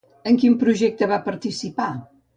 En quin projecte va participar?